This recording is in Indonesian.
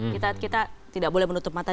kita tidak boleh menutup mata